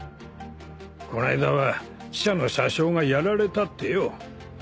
こないだは汽車の車掌がやられたってよ。